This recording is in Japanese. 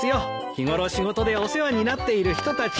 日頃仕事でお世話になっている人たちに。